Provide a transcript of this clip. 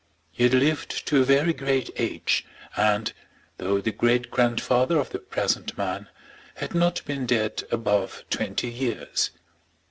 He had lived to a very great age, and, though the great grandfather of the present man, had not been dead above twenty years.